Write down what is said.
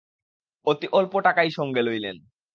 অতি অল্প টাকাই সঙ্গে লইলেন।